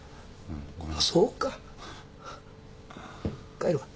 帰るわ。